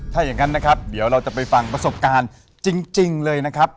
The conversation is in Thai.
ถ้าอย่างนั้นนะครับเดี๋ยวเราจะไปฟังประสบการณ์จริงเลยนะครับ